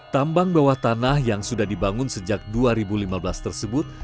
tambang bawah tanah yang sudah dibangun sejak dua ribu lima belas tersebut